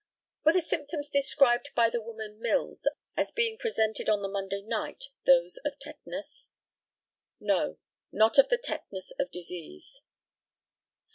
Were the symptoms described by the woman Mills as being presented on the Monday night those of tetanus? No; not of the tetanus of disease.